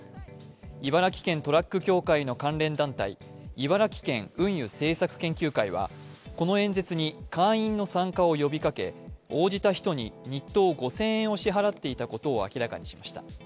茨城県トラック協会の関連団体、茨城県運輸政策研究会はこの演説に会員の参加を呼びかけ、応じた人に日当５０００円を支払っていたことを明らかにしました。